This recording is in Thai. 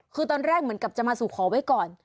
คือตอนแรกเหมือนกับจะมาสู่ขอไว้ก่อน